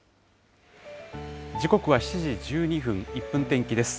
時刻は７時１２分、１分天気です。